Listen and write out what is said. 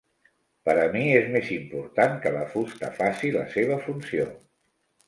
Per a mi és més important que la fusta faci la seva funció.